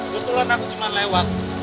keseluruhan aku semuanya lewat